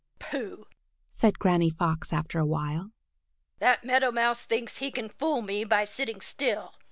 "Pooh!" said Granny Fox after a while, "that Meadow Mouse thinks he can fool me by sitting still.